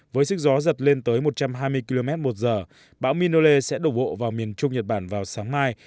với sức gió giật lên tới một trăm hai mươi km một giờ bão minole sẽ đổ bộ vào miền trung nhật bản vào sáng mai